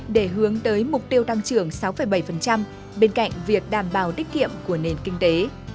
để hướng tới mục tiêu tăng trưởng sáu bảy bên cạnh việc đảm bảo tiết kiệm của nền kinh tế